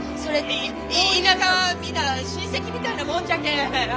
い田舎はみんな親戚みたいなもんじゃけん！